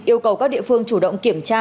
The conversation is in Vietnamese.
yêu cầu các địa phương chủ động kiểm tra